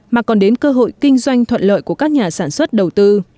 mà còn đến cơ hội kinh doanh thuận lợi của các nhà sản xuất đầu tư